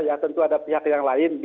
ya tentu ada pihak yang lain